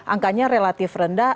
angkanya relatif rendah